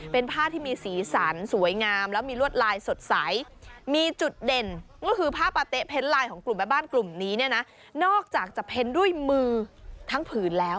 เป็นผ้าที่มีสีสันสวยงามแล้วมีลวดลายสดใสมีจุดเด่นก็คือผ้าปาเต๊ะเพ้นลายของกลุ่มแม่บ้านกลุ่มนี้เนี่ยนะนอกจากจะเพ้นด้วยมือทั้งผืนแล้ว